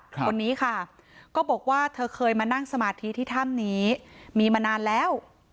คนนี้ค่ะก็บอกว่าเธอเคยมานั่งสมาธิที่ถ้ำนี้มีมานานแล้ว